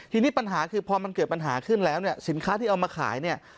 ทีนี้ปัญหาคือพอมันเกิดปัญหาขึ้นแล้วเนี่ยสินค้าที่เอามาขายเนี่ย